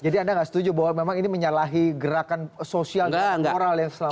jadi anda tidak setuju bahwa memang ini menyalahi gerakan sosial dan moral yang selama ini